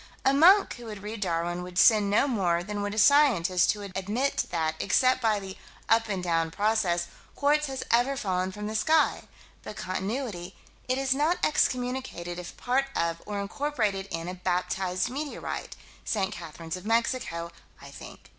A monk who would read Darwin would sin no more than would a scientist who would admit that, except by the "up and down" process, quartz has ever fallen from the sky but Continuity: it is not excommunicated if part of or incorporated in a baptized meteorite St. Catherine's of Mexico, I think.